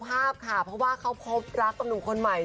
เพราะว่าเขาครบรักกับนุ่มคนใหม่